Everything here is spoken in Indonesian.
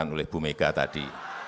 oleh bu mega tadi